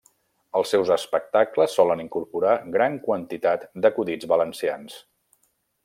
Els seus espectacles solen incorporar gran quantitat d'acudits valencians.